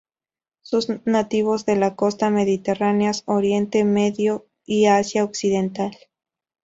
Son nativos de las costas mediterráneas Oriente Medio y Asia Occidental.